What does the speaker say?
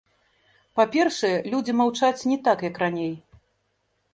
Па-першае, людзі маўчаць, не так, як раней.